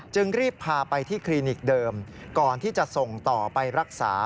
จึงรีบพาไปที่คลินิกเดิมก่อนที่จะส่งต่อไปรักษา